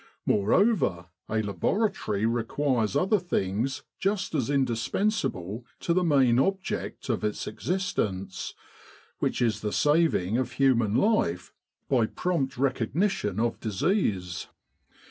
Moreover, a laboratory requires other things just as indispensable to the main object of its existence, which is the saving of human life by prompt recognition of disease.